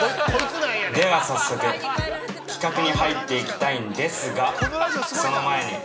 ◆では早速、企画に入っていきたいんですがその前に！